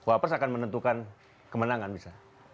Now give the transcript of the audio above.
wapres akan menentukan kemenangan bisa